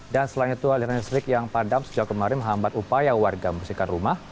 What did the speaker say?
dan selain itu aliran listrik yang padam sejak kemarin menghambat upaya warga membersihkan rumah